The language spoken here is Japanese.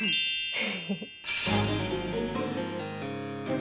フフフッ。